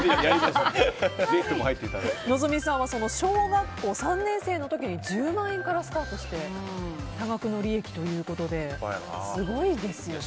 望実さんは小学校３年生の時に１０万円からスタートして多額の利益ということですごいですよね。